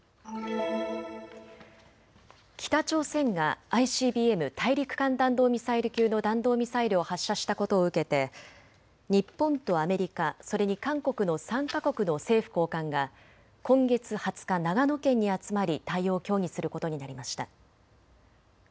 北朝鮮がＩＣＢＭ・大陸間弾道ミサイル級の弾道ミサイルを発射したことを受けて日本とアメリカ、それに韓国の３か国の政府高官が今月２０日、長野県に集まり対応を協議することになりました。